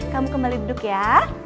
kamu kembali duduk ya